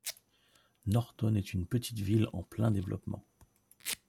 Norton est une petite ville en plein développement.